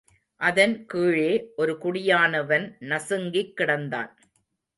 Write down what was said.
அதன் கீழே, ஒரு குடியானவன் நசுங்கிக் கிடந்தான்.